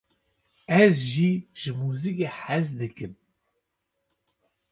Ez jî ji muzîkê hez dikim.